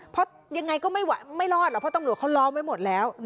เพราะยังไงก็ไม่รอดหรอกเพราะตำรวจเขาล้อมไว้หมดแล้ว